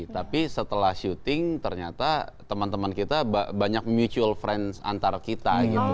tapi setelah syuting ternyata teman teman kita banyak mutual friends antar kita gitu